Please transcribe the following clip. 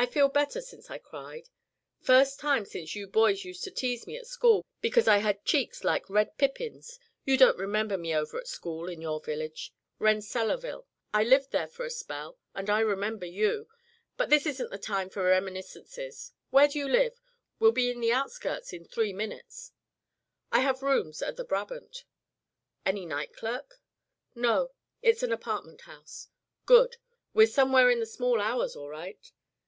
I feel better since I cried first time since you boys used to tease me at school because I had cheeks like red pippins you don't remember me over at school in your village. Renselaerville. I lived there for a spell, and I remember you. But this isn't the time for reminiscences. Where do you live? We'll be in the outskirts in three minutes." "I have rooms at The Brabant." "Any night clerk?" "No; it's an apartment house." "Good. We're somewhere in the small hours all right."